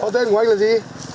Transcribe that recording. tên của anh là gì